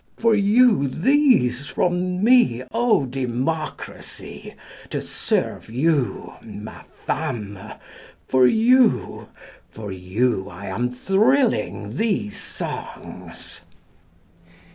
For you these from me, O Democracy, to serve you ma femme! For you, for you I am thrilling these songs."